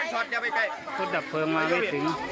ไฟมันถึงหนักเลย